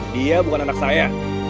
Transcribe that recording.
dia bukan anak saya